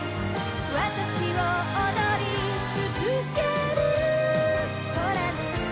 「わたしを踊りつづける」「ほらね」